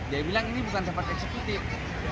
dia bilang ini bukan tempat eksekutif